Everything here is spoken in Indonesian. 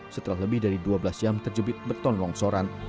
setelah lebih dari dua belas jam terjebit beton longsoran